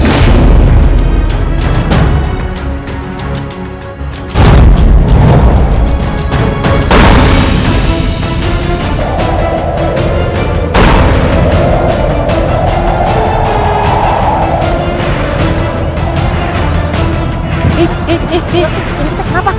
saat ini sullahan